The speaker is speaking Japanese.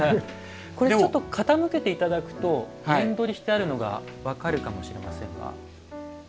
ちょっと傾けていただくと面取りしてあるのが分かるかもしれませんが。